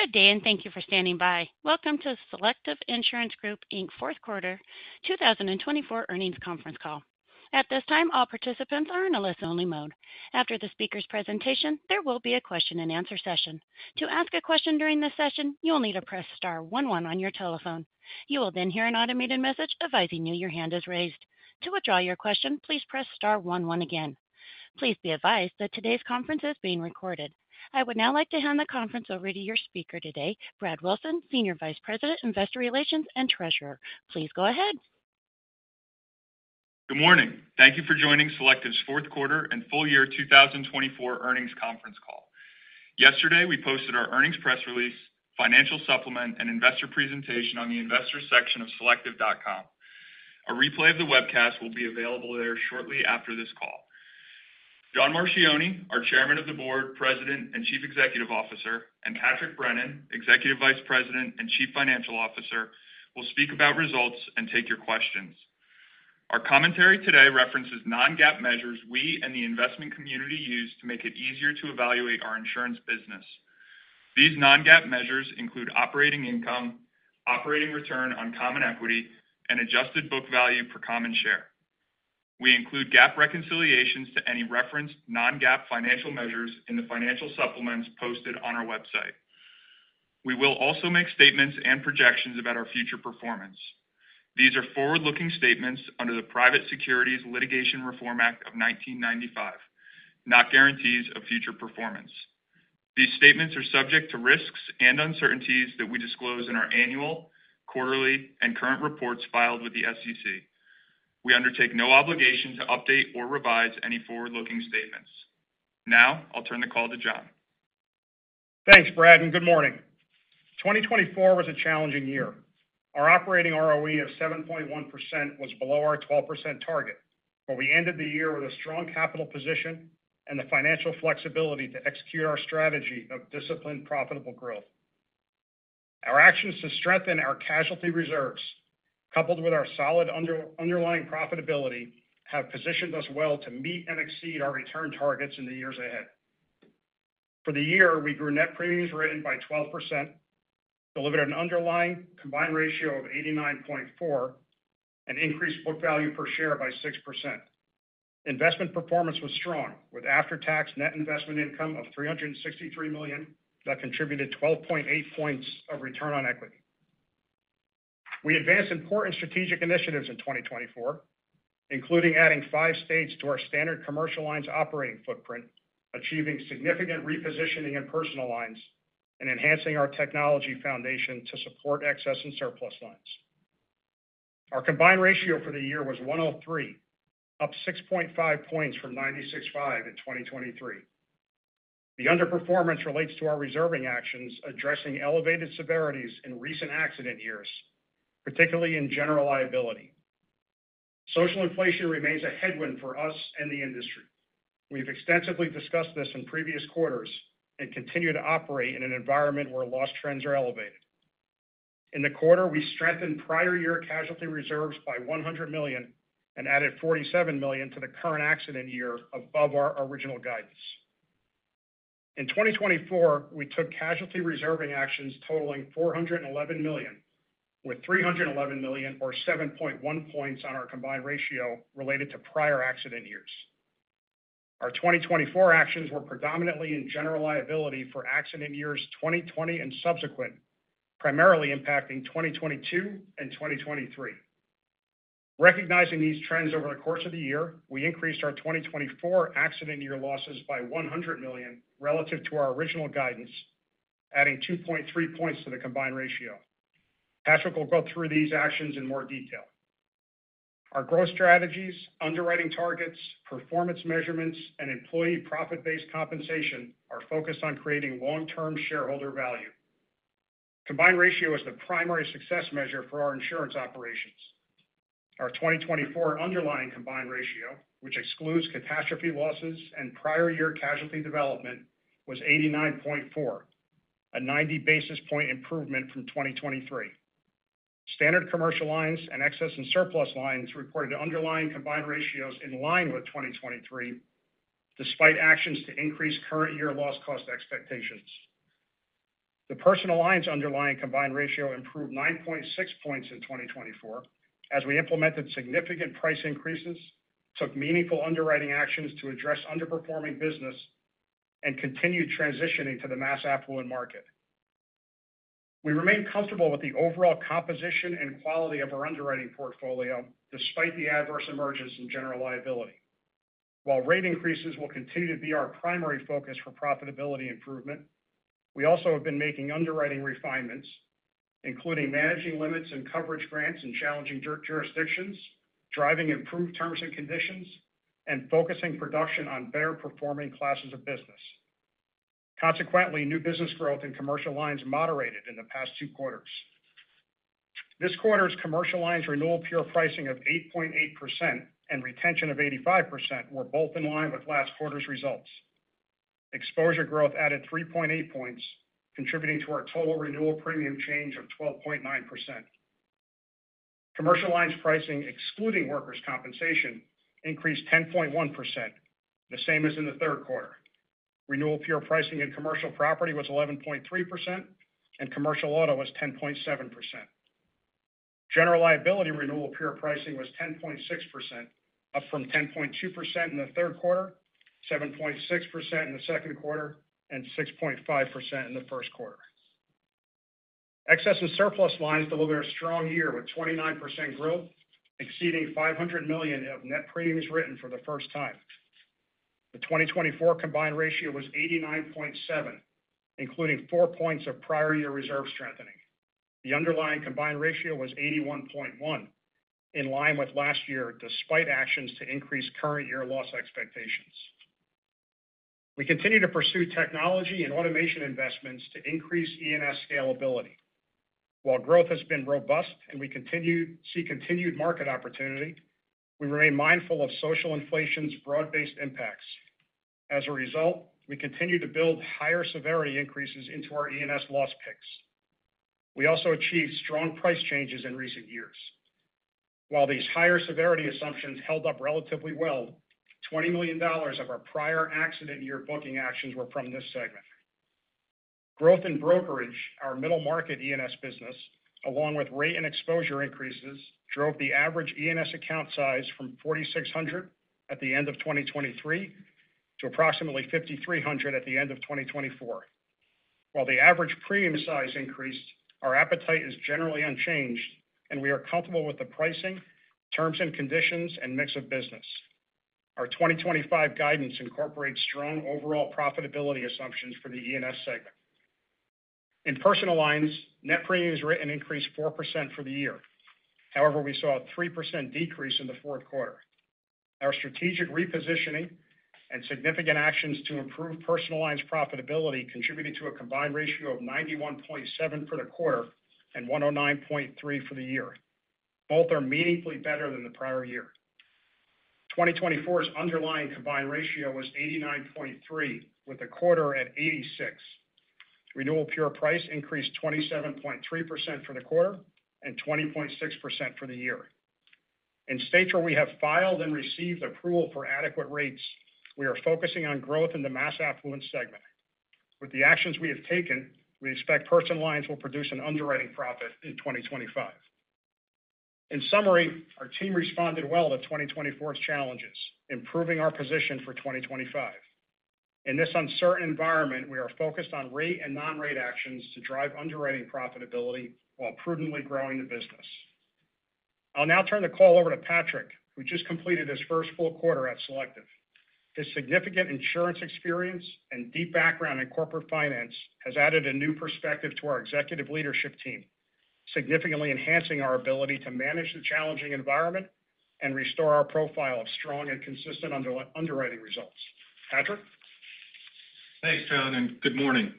Good day, and thank you for standing by. Welcome to Selective Insurance Group Inc. Fourth Quarter 2024 earnings conference call. At this time, all participants are in a listen-only mode. After the speaker's presentation, there will be a question-and-answer session. To ask a question during this session, you'll need to press star one one on your telephone. You will then hear an automated message advising you your hand is raised. To withdraw your question, please press star one one again. Please be advised that today's conference is being recorded. I would now like to hand the conference over to your speaker today, Brad Wilson, Senior Vice President, Investor Relations and Treasurer. Please go ahead. Good morning. Thank you for joining Selective's Fourth Quarter and Full Year 2024 earnings conference call. Yesterday, we posted our earnings press release, financial supplement, and investor presentation on the investor section of selective.com. A replay of the webcast will be available there shortly after this call. John Marchioni, our Chairman of the Board, President, and Chief Executive Officer, and Patrick Brennan, Executive Vice President and Chief Financial Officer, will speak about results and take your questions. Our commentary today references non-GAAP measures we and the investment community use to make it easier to evaluate our insurance business. These non-GAAP measures include operating income, operating return on common equity, and adjusted book value per common share. We include GAAP reconciliations to any referenced non-GAAP financial measures in the financial supplements posted on our website. We will also make statements and projections about our future performance. These are forward-looking statements under the Private Securities Litigation Reform Act of 1995, not guarantees of future performance. These statements are subject to risks and uncertainties that we disclose in our annual, quarterly, and current reports filed with the SEC. We undertake no obligation to update or revise any forward-looking statements. Now, I'll turn the call to John. Thanks, Brad, and good morning. 2024 was a challenging year. Our operating ROE of 7.1% was below our 12% target, but we ended the year with a strong capital position and the financial flexibility to execute our strategy of disciplined profitable growth. Our actions to strengthen our casualty reserves, coupled with our solid underlying profitability, have positioned us well to meet and exceed our return targets in the years ahead. For the year, we grew net premiums written by 12%, delivered an underlying combined ratio of 89.4%, and increased book value per share by 6%. Investment performance was strong, with after-tax net investment income of $363 million that contributed 12.8 points of return on equity. We advanced important strategic initiatives in 2024, including adding five states to our standard commercial lines operating footprint, achieving significant repositioning in personal lines, and enhancing our technology foundation to support excess and surplus lines. Our combined ratio for the year was 103, up 6.5 points from 96.5 in 2023. The underperformance relates to our reserving actions, addressing elevated severities in recent accident years, particularly in general liability. Social inflation remains a headwind for us and the industry. We've extensively discussed this in previous quarters and continue to operate in an environment where loss trends are elevated. In the quarter, we strengthened prior year casualty reserves by $100 million and added $47 million to the current accident year above our original guidance. In 2024, we took casualty reserving actions totaling $411 million, with $311 million, or 7.1 points, on our combined ratio related to prior accident years. Our 2024 actions were predominantly in general liability for accident years 2020 and subsequent, primarily impacting 2022 and 2023. Recognizing these trends over the course of the year, we increased our 2024 accident year losses by $100 million relative to our original guidance, adding 2.3 points to the combined ratio. Patrick will go through these actions in more detail. Our growth strategies, underwriting targets, performance measurements, and employee profit-based compensation are focused on creating long-term shareholder value. Combined ratio is the primary success measure for our insurance operations. Our 2024 underlying combined ratio, which excludes catastrophe losses and prior year casualty development, was 89.4, a 90 basis point improvement from 2023. Standard commercial lines and excess and surplus lines reported underlying combined ratios in line with 2023, despite actions to increase current year loss cost expectations. The personal lines underlying combined ratio improved 9.6 points in 2024 as we implemented significant price increases, took meaningful underwriting actions to address underperforming business, and continued transitioning to the mass affluent market. We remain comfortable with the overall composition and quality of our underwriting portfolio despite the adverse emergence in General Liability. While rate increases will continue to be our primary focus for profitability improvement, we also have been making underwriting refinements, including managing limits and coverage grants in challenging jurisdictions, driving improved terms and conditions, and focusing production on better-performing classes of business. Consequently, new business growth in commercial lines moderated in the past two quarters. This quarter's commercial lines renewal pure pricing of 8.8% and retention of 85% were both in line with last quarter's results. Exposure growth added 3.8 points, contributing to our total renewal premium change of 12.9%. Commercial lines pricing, excluding Workers' Compensation, increased 10.1%, the same as in the third quarter. Renewal pure pricing in Commercial Property was 11.3%, and Commercial Auto was 10.7%. General Liability renewal pure pricing was 10.6%, up from 10.2% in the third quarter, 7.6% in the second quarter, and 6.5% in the first quarter. Excess and Surplus Lines delivered a strong year with 29% growth, exceeding $500 million of net premiums written for the first time. The 2024 Combined Ratio was 89.7, including 4 points of prior-year reserve strengthening. The Underlying Combined Ratio was 81.1, in line with last year despite actions to increase current year loss expectations. We continue to pursue technology and automation investments to increase E&S scalability. While growth has been robust and we see continued market opportunity, we remain mindful of social inflation's broad-based impacts. As a result, we continue to build higher severity increases into our E&S loss picks. We also achieved strong price changes in recent years. While these higher severity assumptions held up relatively well, $20 million of our prior accident year booking actions were from this segment. Growth in brokerage, our middle market E&S business, along with rate and exposure increases, drove the average E&S account size from 4,600 at the end of 2023 to approximately 5,300 at the end of 2024. While the average premium size increased, our appetite is generally unchanged, and we are comfortable with the pricing, terms and conditions, and mix of business. Our 2025 guidance incorporates strong overall profitability assumptions for the E&S segment. In personal lines, net premiums written increased 4% for the year. However, we saw a 3% decrease in the fourth quarter. Our strategic repositioning and significant actions to improve personal lines profitability contributed to a combined ratio of 91.7 for the quarter and 109.3 for the year. Both are meaningfully better than the prior year. 2024's underlying combined ratio was 89.3, with the quarter at 86. Renewal pure pricing increased 27.3% for the quarter and 20.6% for the year. In states where we have filed and received approval for adequate rates, we are focusing on growth in the mass affluent segment. With the actions we have taken, we expect personal lines will produce an underwriting profit in 2025. In summary, our team responded well to 2024's challenges, improving our position for 2025. In this uncertain environment, we are focused on rate and non-rate actions to drive underwriting profitability while prudently growing the business. I'll now turn the call over to Patrick, who just completed his first full quarter at Selective. His significant insurance experience and deep background in corporate finance has added a new perspective to our executive leadership team, significantly enhancing our ability to manage the challenging environment and restore our profile of strong and consistent underwriting results. Patrick? Thanks, John, and good morning.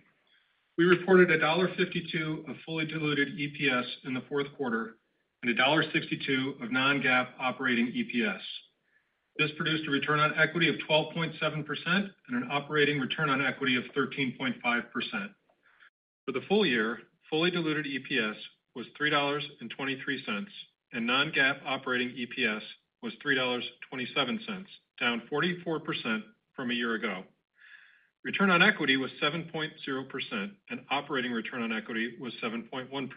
We reported $1.52 of fully diluted EPS in the fourth quarter and $1.62 of non-GAAP operating EPS. This produced a return on equity of 12.7% and an operating return on equity of 13.5%. For the full year, fully diluted EPS was $3.23, and non-GAAP operating EPS was $3.27, down 44% from a year ago. Return on equity was 7.0%, and operating return on equity was 7.1%.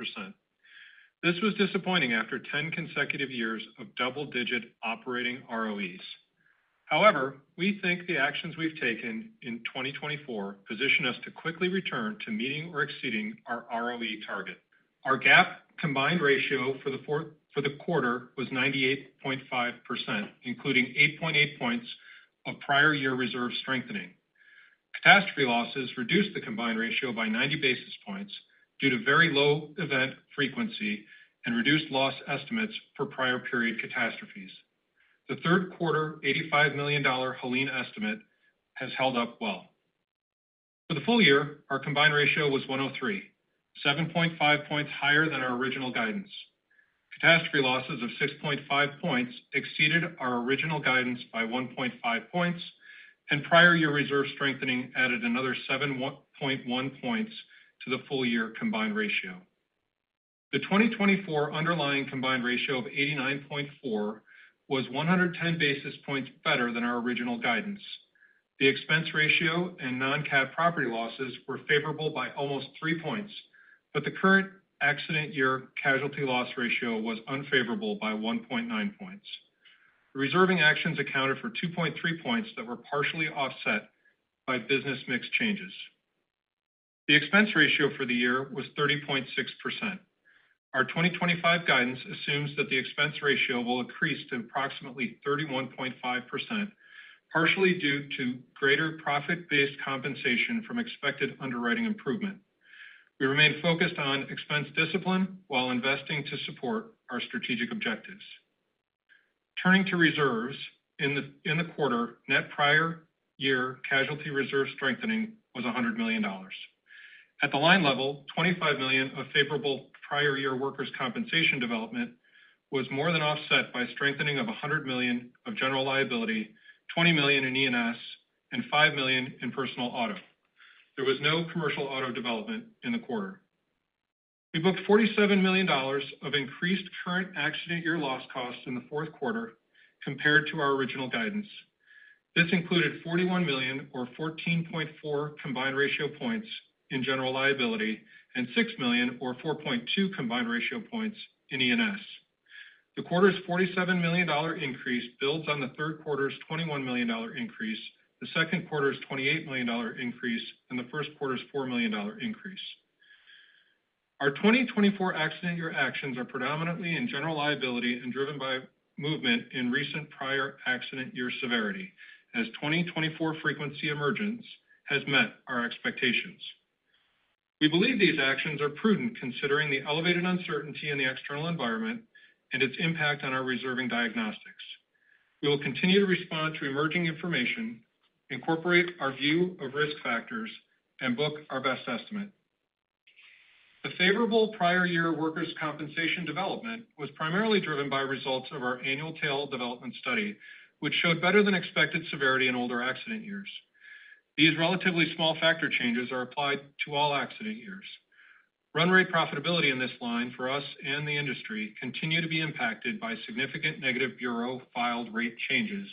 This was disappointing after 10 consecutive years of double-digit operating ROEs. However, we think the actions we've taken in 2024 position us to quickly return to meeting or exceeding our ROE target. Our GAAP combined ratio for the quarter was 98.5%, including 8.8 points of prior year reserve strengthening. Catastrophe losses reduced the combined ratio by 90 basis points due to very low event frequency and reduced loss estimates for prior period catastrophes. The third quarter $85 million Helene estimate has held up well. For the full year, our combined ratio was 103, 7.5 points higher than our original guidance. Catastrophe losses of 6.5 points exceeded our original guidance by 1.5 points, and prior year reserve strengthening added another 7.1 points to the full year combined ratio. The 2024 underlying combined ratio of 89.4 was 110 basis points better than our original guidance. The expense ratio and non-GAAP property losses were favorable by almost three points, but the current accident year casualty loss ratio was unfavorable by 1.9 points. Reserving actions accounted for 2.3 points that were partially offset by business mix changes. The expense ratio for the year was 30.6%. Our 2025 guidance assumes that the expense ratio will increase to approximately 31.5%, partially due to greater profit-based compensation from expected underwriting improvement. We remain focused on expense discipline while investing to support our strategic objectives. Turning to reserves, in the quarter, net prior year casualty reserve strengthening was $100 million. At the line level, $25 million of favorable prior year workers' compensation development was more than offset by strengthening of $100 million of general liability, $20 million in E&S, and $5 million in personal auto. There was no commercial auto development in the quarter. We booked $47 million of increased current accident year loss costs in the fourth quarter compared to our original guidance. This included $41 million, or 14.4 combined ratio points, in general liability and $6 million, or 4.2 combined ratio points, in E&S. The quarter's $47 million increase builds on the third quarter's $21 million increase, the second quarter's $28 million increase, and the first quarter's $4 million increase. Our 2024 accident year actions are predominantly in general liability and driven by movement in recent prior accident year severity, as 2024 frequency emergence has met our expectations. We believe these actions are prudent considering the elevated uncertainty in the external environment and its impact on our reserving diagnostics. We will continue to respond to emerging information, incorporate our view of risk factors, and book our best estimate. The favorable prior year workers' compensation development was primarily driven by results of our annual tail development study, which showed better-than-expected severity in older accident years. These relatively small factor changes are applied to all accident years. Run rate profitability in this line for us and the industry continues to be impacted by significant negative Bureau-filed rate changes,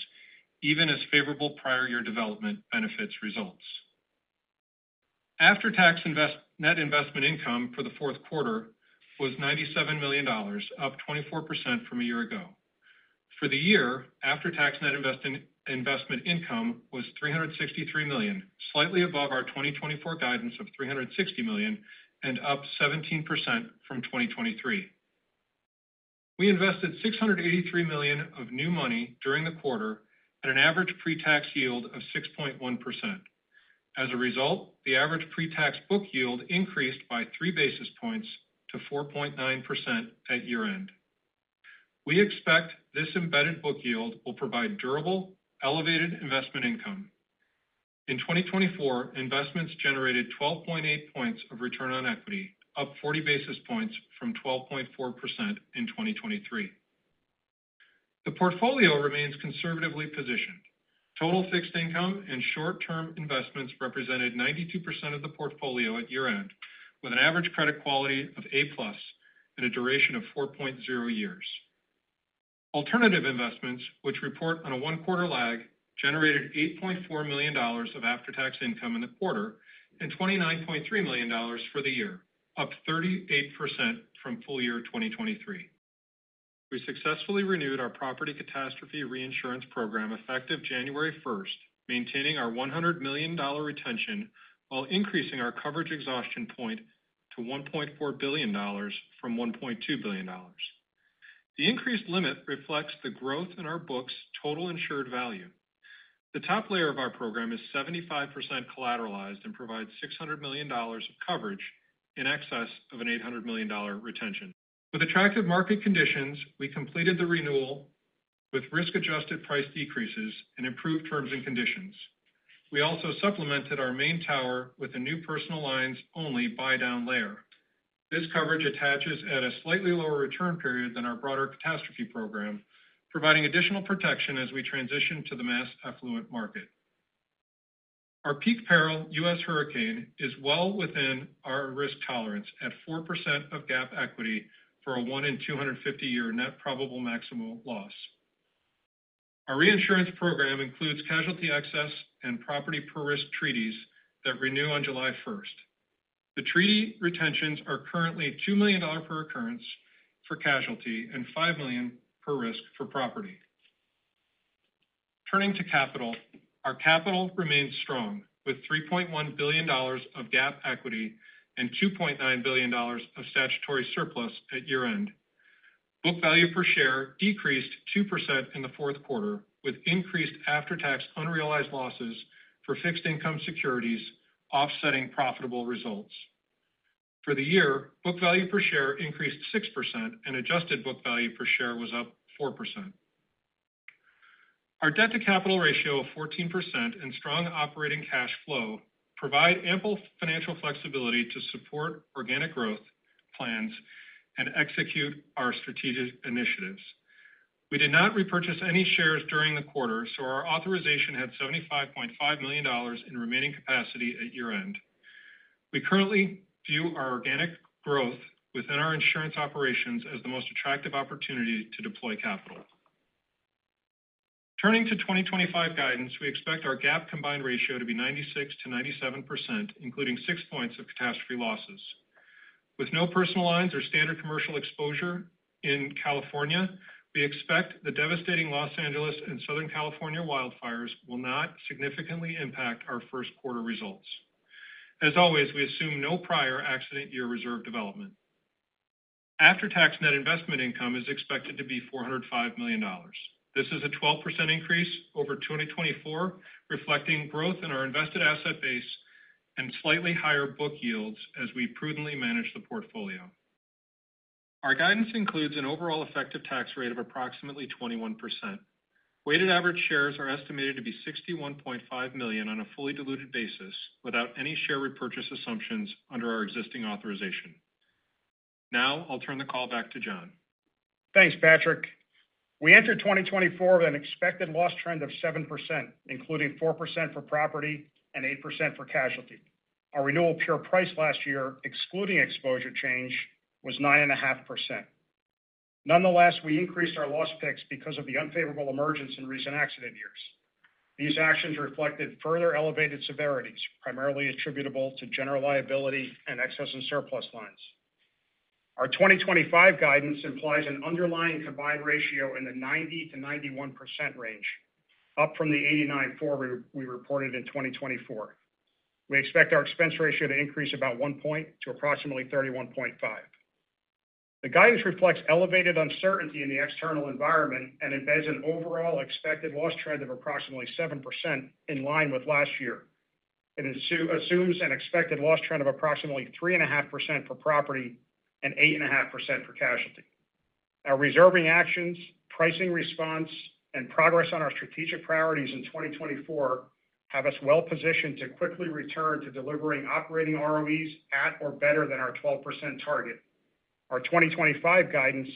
even as favorable prior year development benefits results. After-tax net investment income for the fourth quarter was $97 million, up 24% from a year ago. For the year, after-tax net investment income was $363 million, slightly above our 2024 guidance of $360 million and up 17% from 2023. We invested $683 million of new money during the quarter at an average pre-tax yield of 6.1%. As a result, the average pre-tax book yield increased by 3 basis points to 4.9% at year-end. We expect this embedded book yield will provide durable, elevated investment income. In 2024, investments generated 12.8 points of return on equity, up 40 basis points from 12.4% in 2023. The portfolio remains conservatively positioned. Total fixed income and short-term investments represented 92% of the portfolio at year-end, with an average credit quality of A+ and a duration of 4.0 years. Alternative investments, which report on a one-quarter lag, generated $8.4 million of after-tax income in the quarter and $29.3 million for the year, up 38% from full year 2023. We successfully renewed our property catastrophe reinsurance program effective January 1, maintaining our $100 million retention while increasing our coverage exhaustion point to $1.4 billion from $1.2 billion. The increased limit reflects the growth in our book's total insured value. The top layer of our program is 75% collateralized and provides $600 million of coverage in excess of an $800 million retention. With attractive market conditions, we completed the renewal with risk-adjusted price decreases and improved terms and conditions. We also supplemented our main tower with a new personal lines-only buy-down layer. This coverage attaches at a slightly lower return period than our broader catastrophe program, providing additional protection as we transition to the mass affluent market. Our peak peril, U.S. Hurricane is well within our risk tolerance at 4% of GAAP equity for a 1-in-250-year net probable maximum loss. Our reinsurance program includes casualty excess and property per-risk treaties that renew on July 1. The treaty retentions are currently $2 million per occurrence for casualty and $5 million per risk for property. Turning to capital, our capital remains strong with $3.1 billion of GAAP equity and $2.9 billion of statutory surplus at year-end. Book value per share decreased 2% in the fourth quarter, with increased after-tax unrealized losses for fixed income securities offsetting profitable results. For the year, book value per share increased 6%, and adjusted book value per share was up 4%. Our debt-to-capital ratio of 14% and strong operating cash flow provide ample financial flexibility to support organic growth plans and execute our strategic initiatives. We did not repurchase any shares during the quarter, so our authorization had $75.5 million in remaining capacity at year-end. We currently view our organic growth within our insurance operations as the most attractive opportunity to deploy capital. Turning to 2025 guidance, we expect our GAAP combined ratio to be 96%-97%, including six points of catastrophe losses. With no personal lines or standard commercial exposure in California, we expect the devastating Los Angeles and Southern California wildfires will not significantly impact our first quarter results. As always, we assume no prior accident year reserve development. After-tax net investment income is expected to be $405 million. This is a 12% increase over 2024, reflecting growth in our invested asset base and slightly higher book yields as we prudently manage the portfolio. Our guidance includes an overall effective tax rate of approximately 21%. Weighted average shares are estimated to be $61.5 million on a fully diluted basis without any share repurchase assumptions under our existing authorization. Now, I'll turn the call back to John. Thanks, Patrick. We entered 2024 with an expected loss trend of 7%, including 4% for property and 8% for casualty. Our renewal pure price last year, excluding exposure change, was 9.5%. Nonetheless, we increased our loss picks because of the unfavorable emergence in recent accident years. These actions reflected further elevated severities, primarily attributable to general liability and excess and surplus lines. Our 2025 guidance implies an underlying combined ratio in the 90%-91% range, up from the 89.4% we reported in 2024. We expect our expense ratio to increase about one point to approximately 31.5%. The guidance reflects elevated uncertainty in the external environment and embeds an overall expected loss trend of approximately 7% in line with last year. It assumes an expected loss trend of approximately 3.5% for property and 8.5% for casualty. Our reserving actions, pricing response, and progress on our strategic priorities in 2024 have us well positioned to quickly return to delivering operating ROEs at or better than our 12% target. Our 2025 guidance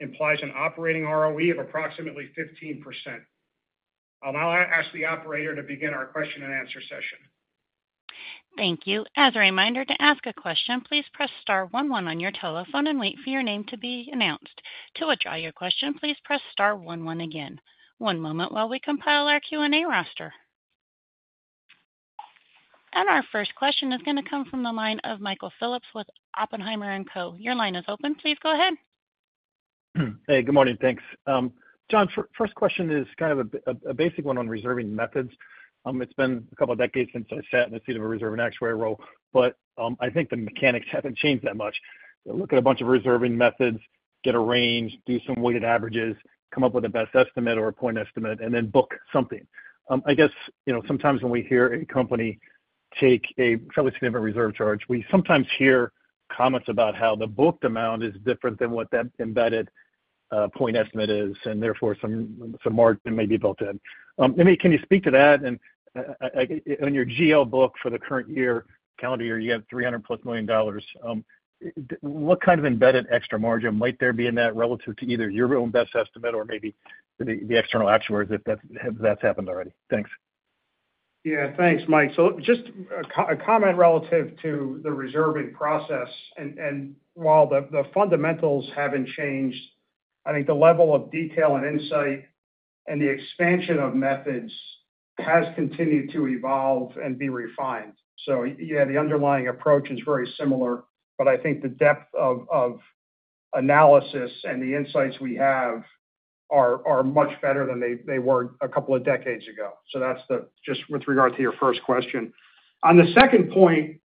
implies an operating ROE of approximately 15%. I'll now ask the operator to begin our question-and-answer session. Thank you. As a reminder, to ask a question, please press star 11 on your telephone and wait for your name to be announced. To withdraw your question, please press star 11 again. One moment while we compile our Q&A roster. And our first question is going to come from the line of Michael Phillips with Oppenheimer & Co. Your line is open. Please go ahead. Hey, good morning. Thanks. John, first question is kind of a basic one on reserving methods. It's been a couple of decades since I sat in the seat of a reserve and actuary role, but I think the mechanics haven't changed that much. Look at a bunch of reserving methods, get a range, do some weighted averages, come up with a best estimate or a point estimate, and then book something. I guess sometimes when we hear a company take a fairly significant reserve charge, we sometimes hear comments about how the booked amount is different than what that embedded point estimate is, and therefore some margin may be built in. Can you speak to that, and in your GL book for the current year, calendar year, you have $300-plus million. What kind of embedded extra margin might there be in that relative to either your own best estimate or maybe the external actuaries if that's happened already? Thanks. Yeah, thanks, Mike. So just a comment relative to the reserving process. And while the fundamentals haven't changed, I think the level of detail and insight and the expansion of methods has continued to evolve and be refined. So yeah, the underlying approach is very similar, but I think the depth of analysis and the insights we have are much better than they were a couple of decades ago. So that's just with regard to your first question. On the second point,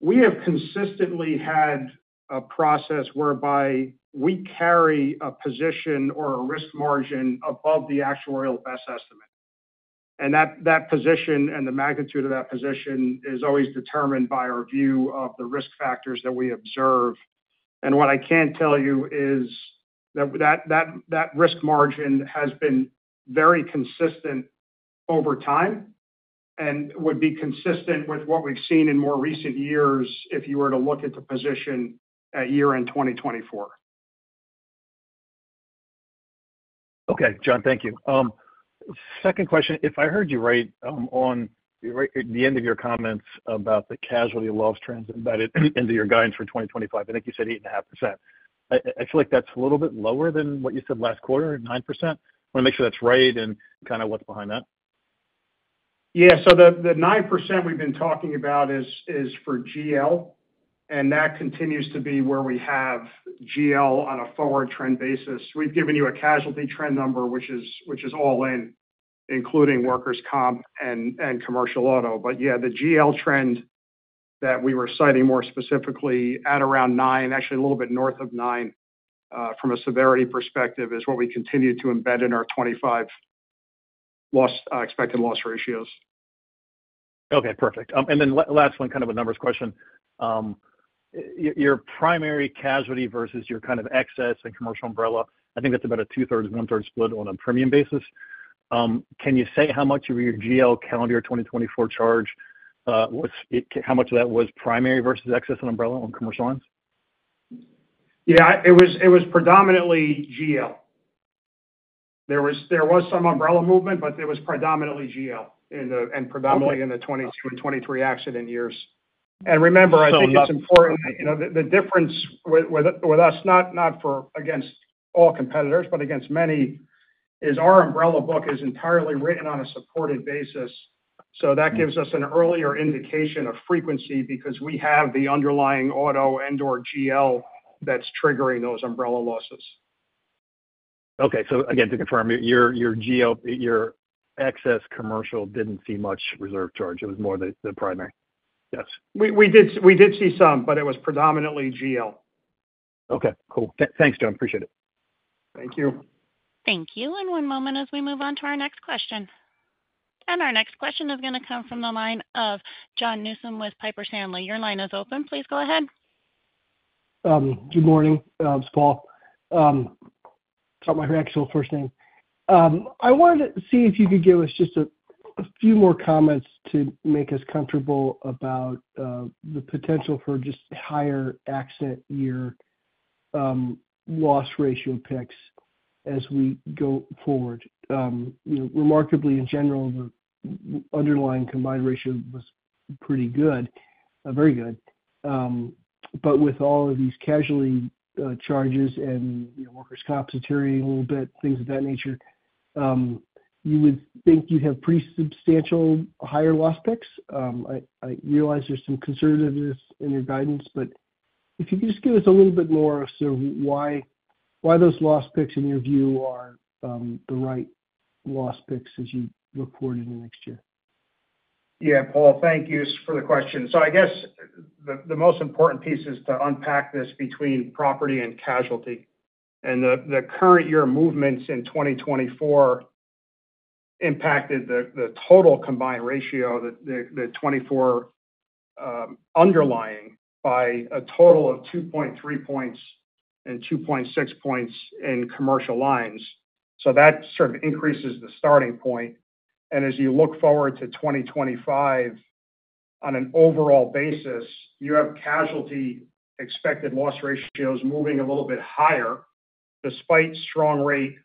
we have consistently had a process whereby we carry a position or a risk margin above the actuarial best estimate. And that position and the magnitude of that position is always determined by our view of the risk factors that we observe. What I can tell you is that that risk margin has been very consistent over time and would be consistent with what we've seen in more recent years if you were to look at the position at year-end 2024. Okay, John, thank you. Second question, if I heard you right on the end of your comments about the casualty loss trends embedded into your guidance for 2025, I think you said 8.5%. I feel like that's a little bit lower than what you said last quarter, 9%. I want to make sure that's right and kind of what's behind that. Yeah, so the 9% we've been talking about is for GL, and that continues to be where we have GL on a forward trend basis. We've given you a casualty trend number, which is all in, including workers' comp and commercial auto. But yeah, the GL trend that we were citing more specifically at around 9%, actually a little bit north of 9% from a severity perspective, is what we continue to embed in our 25 expected loss ratios. Okay, perfect. And then last one, kind of a numbers question. Your primary casualty versus your kind of excess and commercial umbrella, I think that's about a two-thirds, one-third split on a premium basis. Can you say how much of your GL calendar year 2024 charge, how much of that was primary versus excess and umbrella on commercial lines? Yeah, it was predominantly GL. There was some umbrella movement, but it was predominantly GL and predominantly in the 2022 and 2023 accident years. And remember, I think it's important, the difference with us, not against all competitors, but against many, is our umbrella book is entirely written on a supported basis. So that gives us an earlier indication of frequency because we have the underlying auto and/or GL that's triggering those umbrella losses. Okay. So again, to confirm, your excess commercial didn't see much reserve charge. It was more the primary. Yes. We did see some, but it was predominantly GL. Okay. Cool. Thanks, John. Appreciate it. Thank you. Thank you. And one moment as we move on to our next question. And our next question is going to come from the line of Jon Paul Newsome with Piper Sandler. Your line is open. Please go ahead. Good morning. It's Paul. Sorry, my actual first name. I wanted to see if you could give us just a few more comments to make us comfortable about the potential for just higher accident year loss ratio picks as we go forward. Remarkably, in general, the underlying combined ratio was pretty good, very good, but with all of these casualty charges and workers' comps deteriorating a little bit, things of that nature, you would think you'd have pretty substantial higher loss picks. I realize there's some conservativeness in your guidance, but if you could just give us a little bit more of why those loss picks, in your view, are the right loss picks as you look forward into next year. Yeah, Paul, thank you for the question. So I guess the most important piece is to unpack this between property and casualty. And the current year movements in 2024 impacted the total combined ratio, the '24 underlying, by a total of 2.3 points and 2.6 points in commercial lines. So that sort of increases the starting point. And as you look forward to 2025, on an overall basis, you have casualty expected loss ratios moving a little bit higher despite strong rate,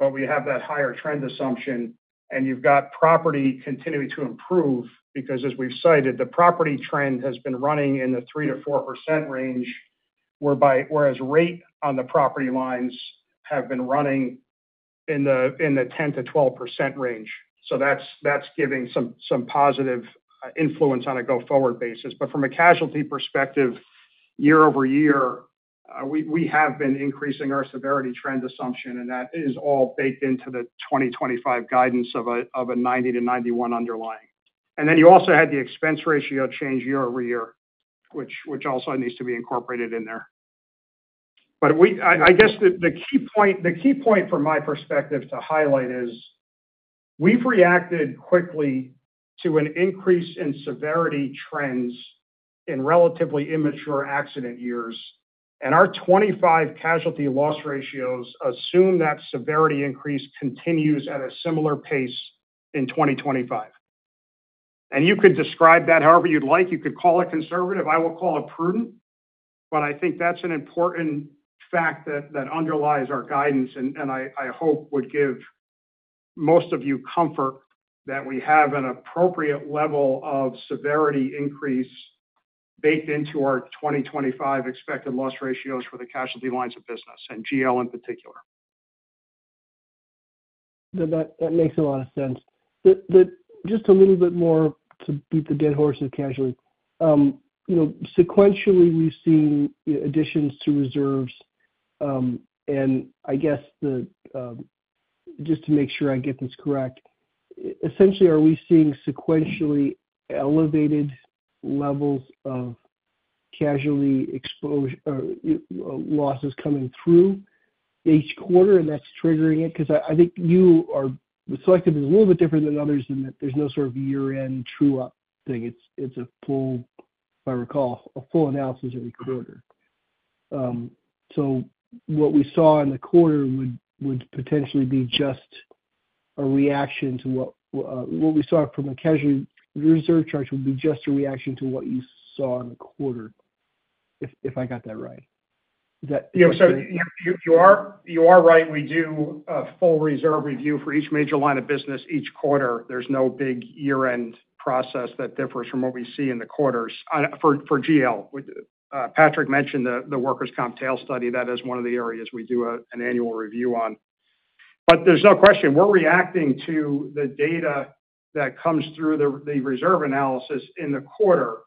but we have that higher trend assumption. And you've got property continuing to improve because, as we've cited, the property trend has been running in the 3%-4% range, whereas rate on the property lines have been running in the 10%-12% range. So that's giving some positive influence on a go-forward basis. But from a casualty perspective, year over year, we have been increasing our severity trend assumption, and that is all baked into the 2025 guidance of a 90-91 underlying. And then you also had the expense ratio change year over year, which also needs to be incorporated in there. But I guess the key point, the key point from my perspective to highlight is we've reacted quickly to an increase in severity trends in relatively immature accident years. And our 2025 casualty loss ratios assume that severity increase continues at a similar pace in 2025. And you could describe that however you'd like. You could call it conservative. I will call it prudent. I think that's an important fact that underlies our guidance, and I hope would give most of you comfort that we have an appropriate level of severity increase baked into our 2025 expected loss ratios for the casualty lines of business and GL in particular. That makes a lot of sense. Just a little bit more to beat the dead horse of casualty. Sequentially, we've seen additions to reserves, and I guess just to make sure I get this correct, essentially, are we seeing sequentially elevated levels of casualty losses coming through each quarter, and that's triggering it? Because I think Selective is a little bit different than others in that there's no sort of year-end true-up thing. It's a full, if I recall, a full analysis every quarter. So what we saw in the quarter would potentially be just a reaction to what we saw from a casualty reserve charge, just a reaction to what you saw in the quarter, if I got that right. Yeah, so you are right. We do a full reserve review for each major line of business each quarter. There's no big year-end process that differs from what we see in the quarters for GL. Patrick mentioned the workers' comp tail study. That is one of the areas we do an annual review on. But there's no question. We're reacting to the data that comes through the reserve analysis in the quarter,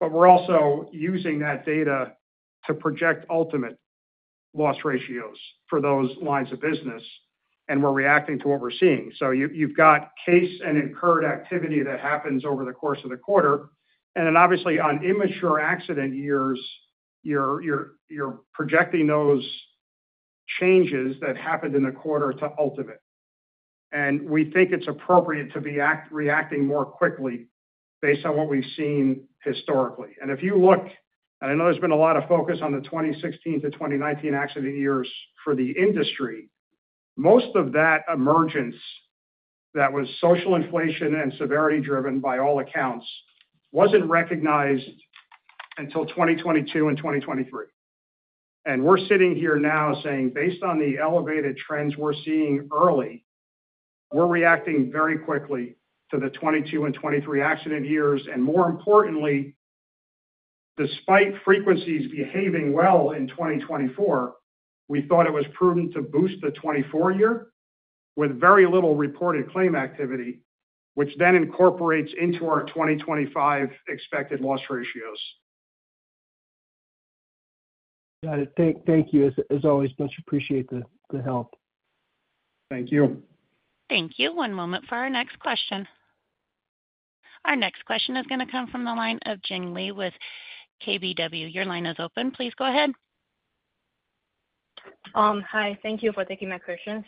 but we're also using that data to project ultimate loss ratios for those lines of business. And we're reacting to what we're seeing. So you've got case and incurred activity that happens over the course of the quarter. And then obviously, on immature accident years, you're projecting those changes that happened in the quarter to ultimate. And we think it's appropriate to be reacting more quickly based on what we've seen historically. And if you look, and I know there's been a lot of focus on the 2016 to 2019 accident years for the industry, most of that emergence that was social inflation and severity driven by all accounts wasn't recognized until 2022 and 2023. And we're sitting here now saying, based on the elevated trends we're seeing early, we're reacting very quickly to the 2022 and 2023 accident years. And more importantly, despite frequencies behaving well in 2024, we thought it was prudent to boost the 2024 year with very little reported claim activity, which then incorporates into our 2025 expected loss ratios. Got it. Thank you. As always, much appreciate the help. Thank you. Thank you. One moment for our next question. Our next question is going to come from the line of Jing Li with KBW. Your line is open. Please go ahead. Hi. Thank you for taking my questions.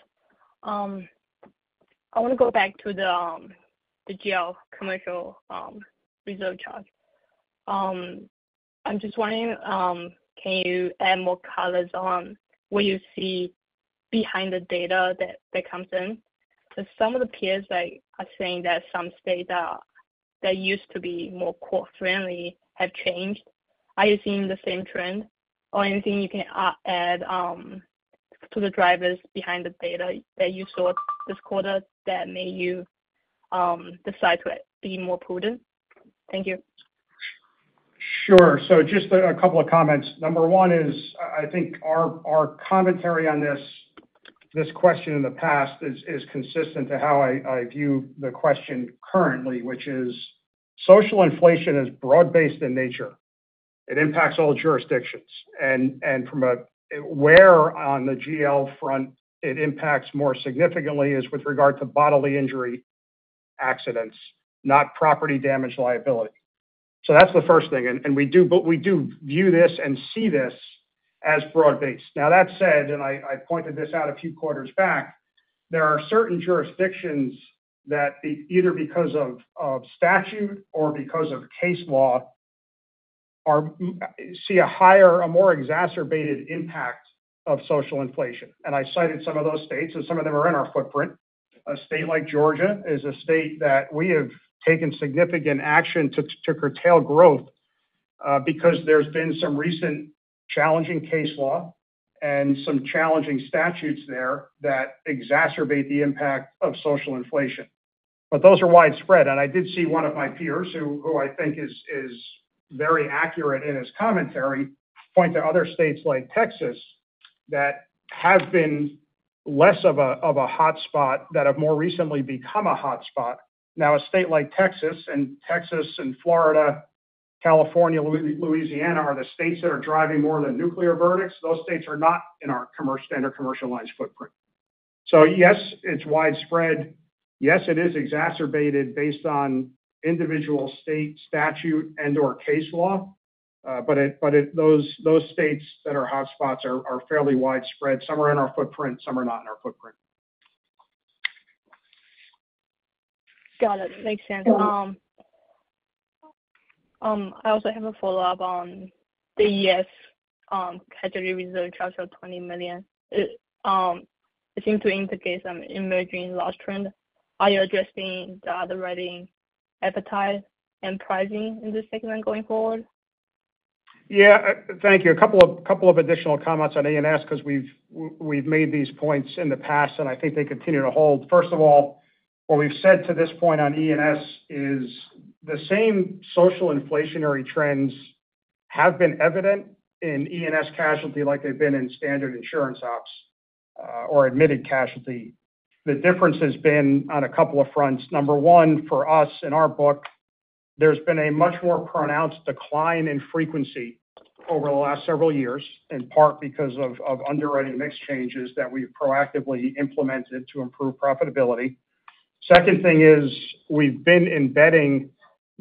I want to go back to the GL commercial reserve charge. I'm just wondering, can you add more colors on what you see behind the data that comes in? Because some of the peers are saying that some states that used to be more court-friendly have changed. Are you seeing the same trend? Or anything you can add to the drivers behind the data that you saw this quarter that made you decide to be more prudent? Thank you. Sure. So just a couple of comments. Number one is, I think our commentary on this question in the past is consistent to how I view the question currently, which is social inflation is broad-based in nature. It impacts all jurisdictions. And from where on the GL front, it impacts more significantly is with regard to bodily injury accidents, not property damage liability. So that's the first thing. And we do view this and see this as broad-based. Now, that said, and I pointed this out a few quarters back, there are certain jurisdictions that either because of statute or because of case law see a higher, a more exacerbated impact of social inflation. And I cited some of those states, and some of them are in our footprint. A state like Georgia is a state that we have taken significant action to curtail growth because there's been some recent challenging case law and some challenging statutes there that exacerbate the impact of social inflation, but those are widespread, and I did see one of my peers, who I think is very accurate in his commentary, point to other states like Texas that have been less of a hotspot, that have more recently become a hotspot. Now, a state like Texas and Texas and Florida, California, Louisiana are the states that are driving more of the nuclear verdicts. Those states are not in our standard commercial lines footprint, so yes, it's widespread. Yes, it is exacerbated based on individual state statute and/or case law, but those states that are hotspots are fairly widespread. Some are in our footprint. Some are not in our footprint. Got it. Makes sense. I also have a follow-up on the U.S. casualty reserve charge of $20 million. It seems to indicate some emerging loss trend. Are you addressing the underwriting appetite and pricing in this segment going forward? Yeah. Thank you. A couple of additional comments on E&S because we've made these points in the past, and I think they continue to hold. First of all, what we've said to this point on E&S is the same social inflationary trends have been evident in E&S casualty like they've been in standard insurance ops or admitted casualty. The difference has been on a couple of fronts. Number one, for us in our book, there's been a much more pronounced decline in frequency over the last several years, in part because of underwriting mix changes that we've proactively implemented to improve profitability. Second thing is we've been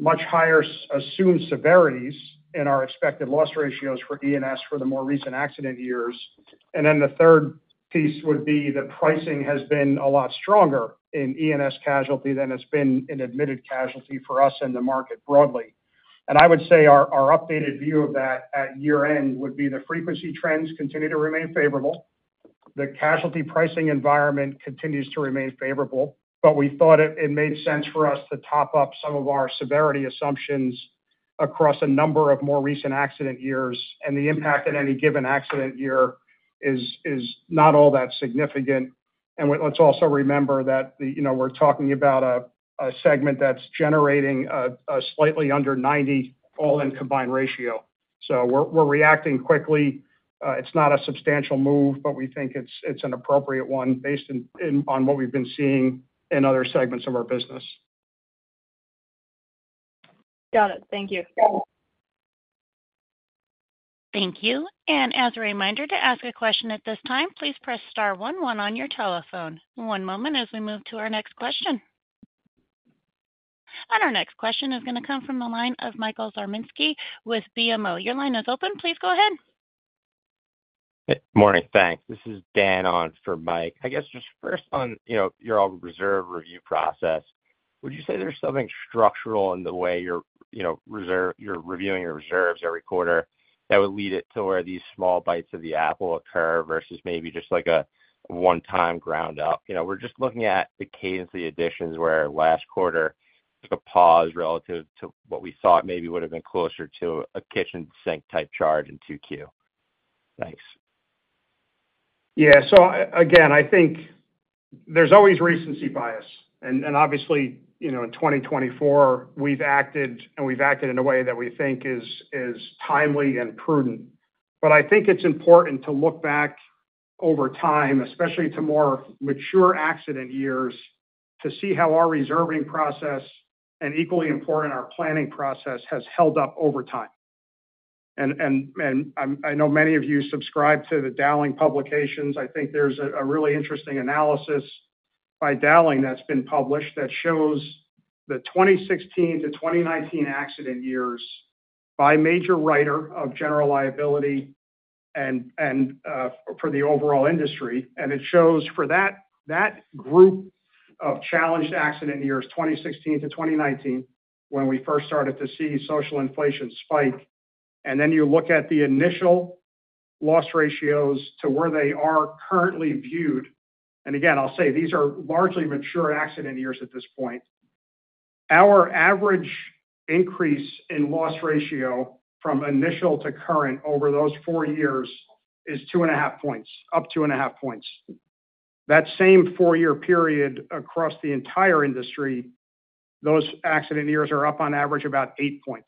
embedding much higher assumed severities in our expected loss ratios for E&S for the more recent accident years. And then the third piece would be the pricing has been a lot stronger in E&S casualty than it's been in admitted casualty for us in the market broadly. And I would say our updated view of that at year-end would be the frequency trends continue to remain favorable. The casualty pricing environment continues to remain favorable, but we thought it made sense for us to top up some of our severity assumptions across a number of more recent accident years. And the impact in any given accident year is not all that significant. And let's also remember that we're talking about a segment that's generating a slightly under 90 all-in combined ratio. So we're reacting quickly. It's not a substantial move, but we think it's an appropriate one based on what we've been seeing in other segments of our business. Got it. Thank you. Thank you. And as a reminder to ask a question at this time, please press star one one on your telephone. One moment as we move to our next question. And our next question is going to come from the line of Michael Zaremski with BMO. Your line is open. Please go ahead. Morning. Thanks. This is Dan on for Mike. I guess just first on your own reserve review process, would you say there's something structural in the way you're reviewing your reserves every quarter that would lead it to where these small bites of the apple occur versus maybe just like a one-time ground-up? We're just looking at the cadence of the additions where last quarter took a pause relative to what we thought maybe would have been closer to a kitchen sink-type charge in 2Q. Thanks. Yeah. So again, I think there's always recency bias. And obviously, in 2024, we've acted, and we've acted in a way that we think is timely and prudent. But I think it's important to look back over time, especially to more mature accident years, to see how our reserving process and equally important our planning process has held up over time. And I know many of you subscribe to the Dowling & Partners publications. I think there's a really interesting analysis by Dowling & Partners that's been published that shows the 2016 to 2019 accident years by major writer of general liability and for the overall industry. And it shows for that group of challenged accident years, 2016 to 2019, when we first started to see social inflation spike. And then you look at the initial loss ratios to where they are currently viewed. Again, I'll say these are largely mature accident years at this point. Our average increase in loss ratio from initial to current over those four years is two and a half points, up two and a half points. That same four-year period across the entire industry, those accident years are up on average about eight points.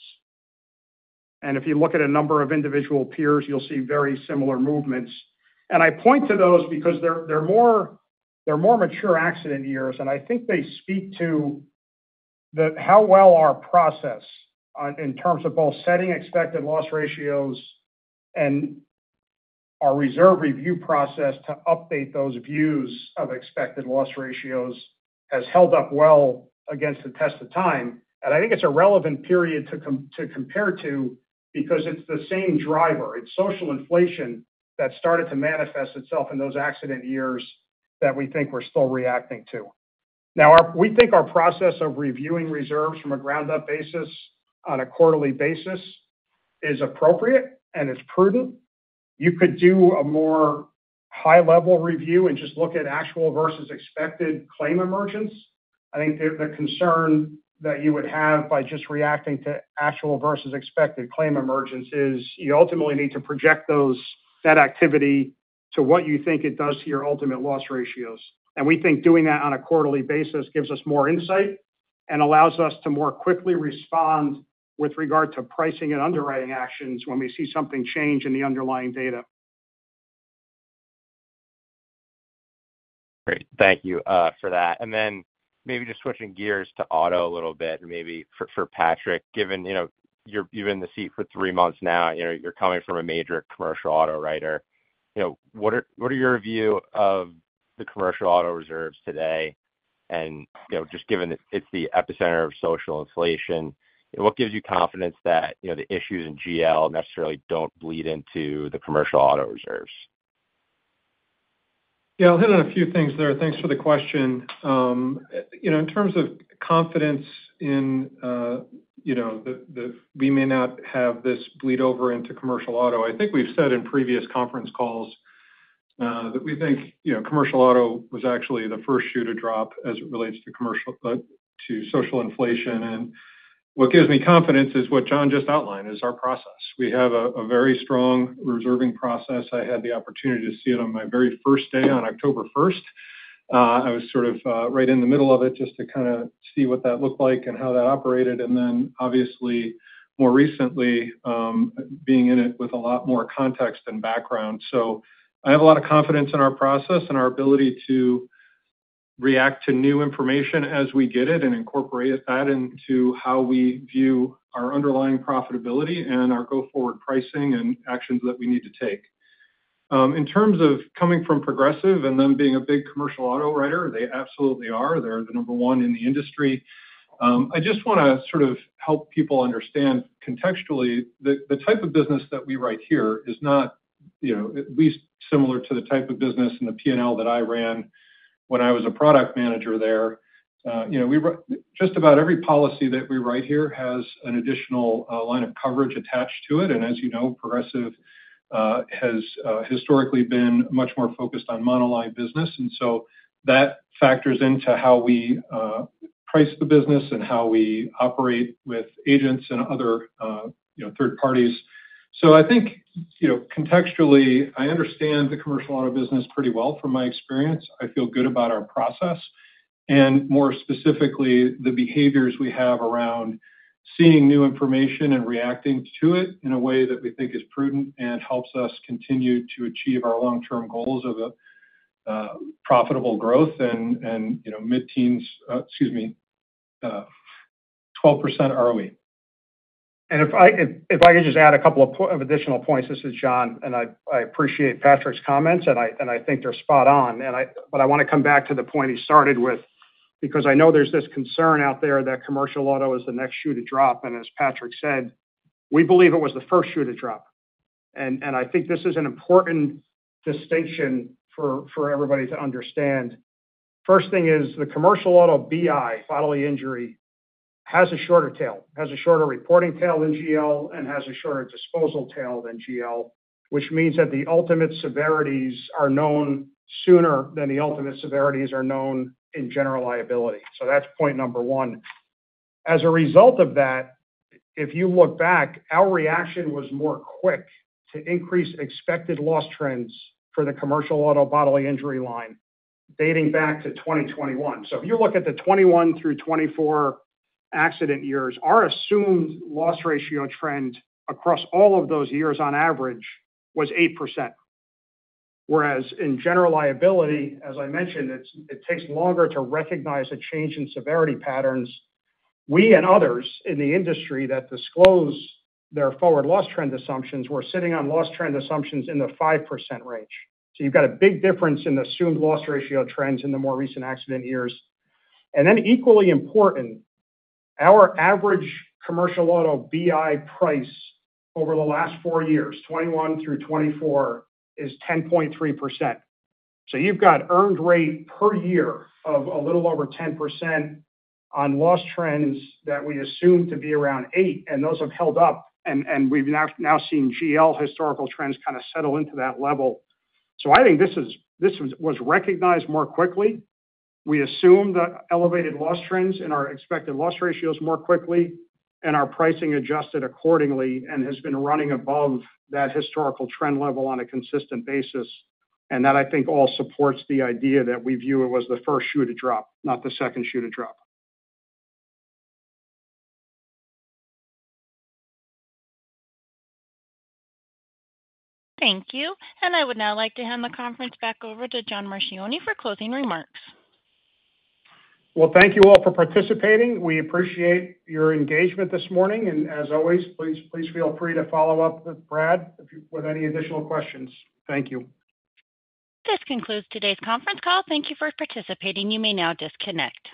If you look at a number of individual peers, you'll see very similar movements. I point to those because they're more mature accident years. I think they speak to how well our process in terms of both setting expected loss ratios and our reserve review process to update those views of expected loss ratios has held up well against the test of time. I think it's a relevant period to compare to because it's the same driver. It's social inflation that started to manifest itself in those accident years that we think we're still reacting to. Now, we think our process of reviewing reserves from a ground-up basis on a quarterly basis is appropriate, and it's prudent. You could do a more high-level review and just look at actual versus expected claim emergence. I think the concern that you would have by just reacting to actual versus expected claim emergence is you ultimately need to project that activity to what you think it does to your ultimate loss ratios. And we think doing that on a quarterly basis gives us more insight and allows us to more quickly respond with regard to pricing and underwriting actions when we see something change in the underlying data. Great. Thank you for that. And then maybe just switching gears to auto a little bit, maybe for Patrick, given you've been in the seat for three months now, you're coming from a major commercial auto writer. What are your views of the commercial auto reserves today? And just given that it's the epicenter of social inflation, what gives you confidence that the issues in GL necessarily don't bleed into the commercial auto reserves? Yeah. I'll hit on a few things there. Thanks for the question. In terms of confidence in that we may not have this bleed over into commercial auto, I think we've said in previous conference calls that we think commercial auto was actually the first shoe to drop as it relates to social inflation. And what gives me confidence is what John just outlined is our process. We have a very strong reserving process. I had the opportunity to see it on my very first day on October 1st. I was sort of right in the middle of it just to kind of see what that looked like and how that operated. And then, obviously, more recently, being in it with a lot more context and background. So I have a lot of confidence in our process and our ability to react to new information as we get it and incorporate that into how we view our underlying profitability and our go-forward pricing and actions that we need to take. In terms of coming from Progressive and them being a big commercial auto writer, they absolutely are. They're the number one in the industry. I just want to sort of help people understand contextually that the type of business that we write here is not at least similar to the type of business in the P&L that I ran when I was a product manager there. Just about every policy that we write here has an additional line of coverage attached to it. And as you know, Progressive has historically been much more focused on monoline business. And so that factors into how we price the business and how we operate with agents and other third parties. So I think contextually, I understand the commercial auto business pretty well from my experience. I feel good about our process. And more specifically, the behaviors we have around seeing new information and reacting to it in a way that we think is prudent and helps us continue to achieve our long-term goals of profitable growth and mid-teens excuse me, 12% ROE. And if I could just add a couple of additional points, this is John, and I appreciate Patrick's comments, and I think they're spot on. But I want to come back to the point he started with because I know there's this concern out there that commercial auto is the next shoe to drop. And as Patrick said, we believe it was the first shoe to drop. And I think this is an important distinction for everybody to understand. First thing is the commercial auto BI, bodily injury, has a shorter tail, has a shorter reporting tail than GL, and has a shorter disposal tail than GL, which means that the ultimate severities are known sooner than the ultimate severities are known in general liability. So that's point number one. As a result of that, if you look back, our reaction was more quick to increase expected loss trends for the commercial auto bodily injury line dating back to 2021. So if you look at the 2021 through 2024 accident years, our assumed loss ratio trend across all of those years on average was 8%. Whereas in general liability, as I mentioned, it takes longer to recognize a change in severity patterns. We and others in the industry that disclose their forward loss trend assumptions were sitting on loss trend assumptions in the 5% range. So you've got a big difference in the assumed loss ratio trends in the more recent accident years, and then equally important, our average commercial auto BI price over the last four years, 2021 through 2024, is 10.3%. So you've got earned rate per year of a little over 10% on loss trends that we assume to be around 8%, and those have held up, and we've now seen GL historical trends kind of settle into that level. So I think this was recognized more quickly. We assumed the elevated loss trends in our expected loss ratios more quickly, and our pricing adjusted accordingly and has been running above that historical trend level on a consistent basis. That, I think, all supports the idea that we view it was the first shoe to drop, not the second shoe to drop. Thank you. And I would now like to hand the conference back over to John Marchioni for closing remarks. Thank you all for participating. We appreciate your engagement this morning. As always, please feel free to follow up with Brad with any additional questions. Thank you. This concludes today's conference call. Thank you for participating. You may now disconnect.